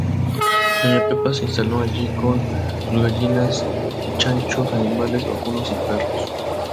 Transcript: Doña Pepa se instaló allí con sus gallinas, chanchos, animales vacunos y perros.